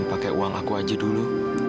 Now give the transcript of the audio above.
pakai uang aku aja dulu